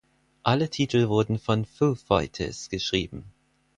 Alle Titel wurden von Foo Fighters geschrieben.